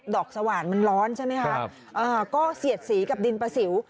สว่านมันร้อนใช่ไหมคะก็เสียดสีกับดินประสิว